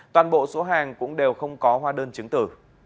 toàn bộ số hàng cũng đều không có hóa đơn chứng tử